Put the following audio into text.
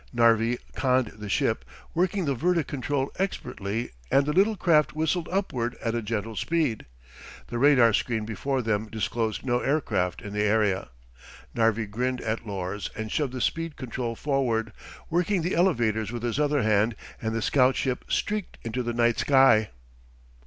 Narvi conned the ship, working the verti control expertly and the little craft whistled upward at a gentle speed. The radar screen before them disclosed no aircraft in the area. Narvi grinned at Lors and shoved the speed control forward, working the elevators with his other hand and the scout ship streaked into the night sky.